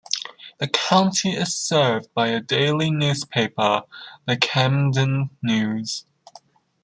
The county is served by a daily newspaper, "The Camden News".